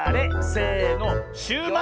せのシューマイ！